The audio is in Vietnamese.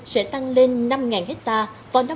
sẽ tăng lên năm hectare vào năm hai nghìn hai mươi